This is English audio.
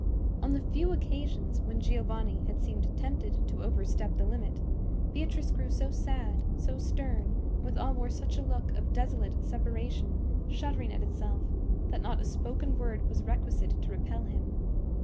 On the few occasions when Giovanni had seemed tempted to overstep the limit, Beatrice grew so sad, so stern, and withal wore such a look of desolate separation, shuddering at itself, that not a spoken word was requisite to repel him.